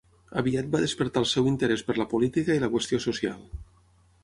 Aviat va despertar el seu interès per la política i la qüestió social.